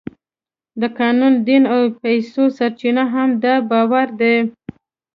د قانون، دین او پیسو سرچینه هم دا باور دی.